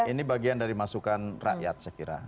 ini bagian dari masukan rakyat saya kira